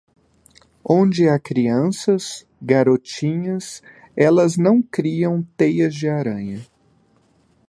Onde há crianças, garotinhas, elas não criam teias de aranha.